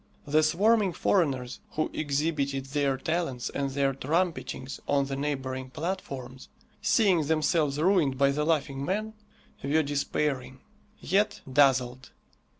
The swarming foreigners who exhibited their talents and their trumpetings on the neighbouring platforms, seeing themselves ruined by the Laughing Man, were despairing, yet dazzled.